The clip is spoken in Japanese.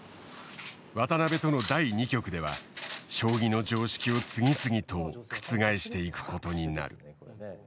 渡辺との第２局では将棋の常識を次々と覆していくことになる。